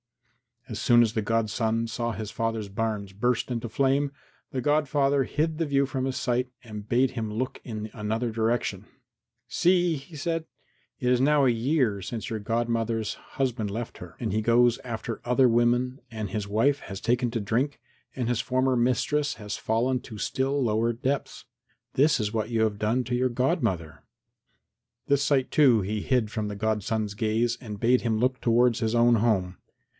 As soon as the godson saw his father's barns burst into flame the godfather hid the view from his sight and bade him look in another direction. "See," he said; "it is now a year since your godmother's husband left her, and he goes after other women and his wife has taken to drink and his former mistress has fallen to still lower depths. This is what you have done to your godmother." This sight, too, he hid from the godson's gaze and bade him look towards his own home.